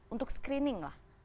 untuk screening lah